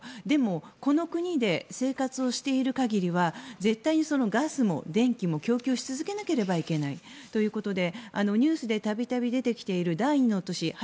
でも、この国で生活をしている限りは絶対にガスも電気も供給し続けなければいけないということでニュースで度々出てきている第２の都市